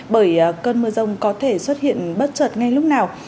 bởi cơn mưa rông có thể xuất hiện bất chợt ngay lúc nào